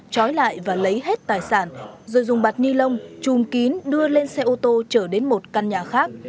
trói lại và lấy hết tài sản rồi dùng bạt ni lông chùm kín đưa lên xe ô tô trở đến một căn nhà khác